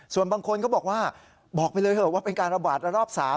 ส่วนบางคนก็บอกว่าบอกไปเลยเถอะว่าเป็นการระบาดระลอก๓